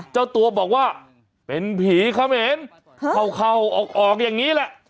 เจ้าตัวบอกว่าเป็นผีเขมรเข้าออกอย่างนี้แหละ